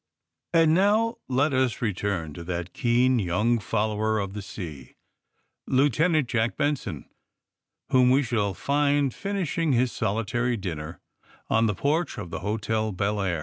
And now let us return to that keen young follower of the sea. Lieutenant Jaek Benson, whom we shall find finishing his solitary dinner on the porch of the Hotel Belleair.